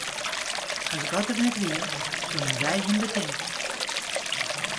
As God der net wie, soenen wy him betinke.